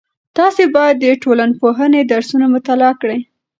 تاسې باید د ټولنپوهنې درسونه مطالعه کړئ.